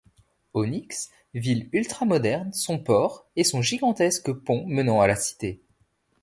Onyx, ville ultra-moderne, son port et son gigantesque pont menant à la Cité.